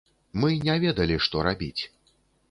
Мы не ведалі што рабіць.